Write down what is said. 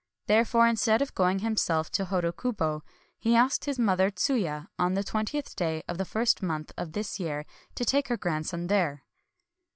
Therefore, instead of going himself to Hodokubo, he asked his mother Tsuya, on the twentieth day of the first month of this year, to take her grandson there.